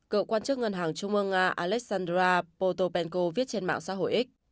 cựu quan chức ngân hàng trung ương nga alexandra potopenco viết trên mạng xã hội x